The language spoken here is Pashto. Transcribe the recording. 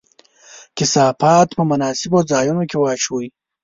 کثافات په مناسبو ځایونو کې واچوئ.